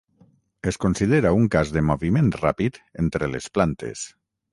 Es considera un cas de moviment ràpid entre les plantes.